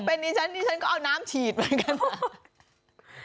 เป็นดิฉันดิฉันก็เอาน้ำฉีดเหมือนกัน